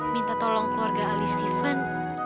minta tolong keluarga ali steven